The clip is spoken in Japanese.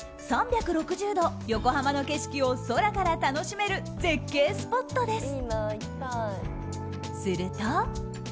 ３６０度、横浜の景色を空から楽しめる絶景スポットです。